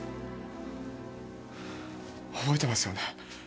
覚えてますよね